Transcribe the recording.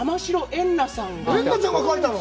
エンナちゃんが描いたの？